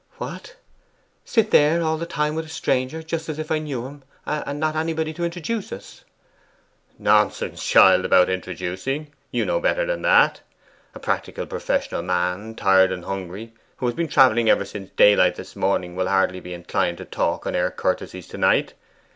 'What! sit there all the time with a stranger, just as if I knew him, and not anybody to introduce us?' 'Nonsense, child, about introducing; you know better than that. A practical professional man, tired and hungry, who has been travelling ever since daylight this morning, will hardly be inclined to talk and air courtesies to night.